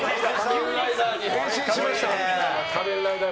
仮面ライダーに変身しました。